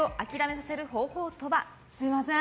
すみません。